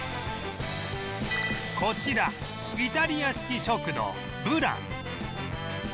こちらイタリア式食堂ブラン